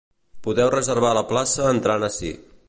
Podeu reservar la plaça entrant ací.